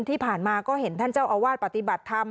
ที่ผ่านมาก็เห็นท่านเจ้าอาวาสปฏิบัติธรรม